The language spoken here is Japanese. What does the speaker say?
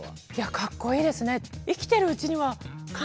かっこいいですね。